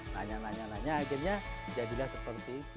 nanya nanya nanya akhirnya jadilah seperti itu